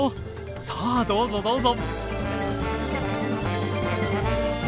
さあどうぞどうぞ。